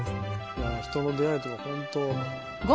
人の出会いとか本当。